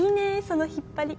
その引っ張り！